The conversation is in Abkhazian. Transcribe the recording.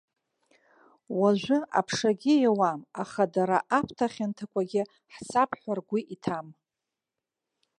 Уажәы, аԥшагьы иауам, аха дара аԥҭа хьанҭақәагьы ҳцап ҳәа ргәы иҭам.